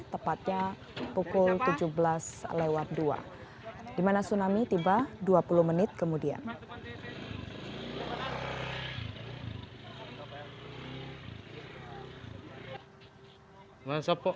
tepatnya pukul tujuh belas dua di mana tsunami tiba dua puluh menit kemudian